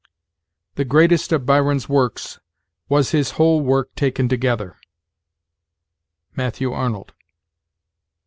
"The greatest of Byron's works was his whole work taken together." Matthew Arnold.